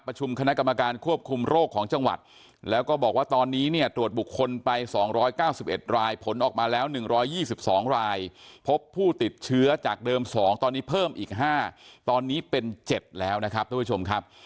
ประชุมคณะกรรมการควบคุมโรคของจังหวัดแล้วก็บอกว่าตอนนี้เนี่ยตรวจบุคคลไปสองร้อยเก้าสิบเอ็ดรายผลออกมาแล้วหนึ่งร้อยยี่สิบสองรายพบผู้ติดเชื้อจากเดิมสองตอนนี้เพิ่มอีกห้าตอนนี้เป็นเจ็บแล้วนะครับท่านผู้ชมครับ